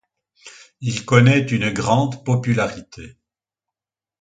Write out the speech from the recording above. Il connaît une grande popularité.